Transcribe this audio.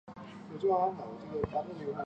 凯特回答只是望住他而已。